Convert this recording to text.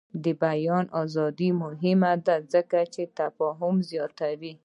د بیان ازادي مهمه ده ځکه چې تفاهم زیاتوي.